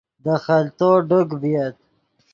دے خلتو ڈک ڤییت